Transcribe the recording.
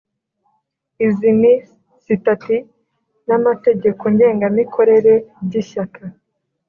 Izi ni sitati n’amategeko ngengamikorere by’Ishyaka